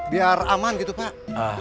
biar aman gitu pak